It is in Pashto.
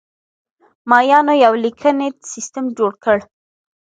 مایانو یو لیکنی سیستم جوړ کړ.